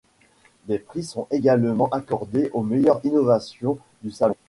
Des prix sont également accordés aux meilleurs innovations du salon.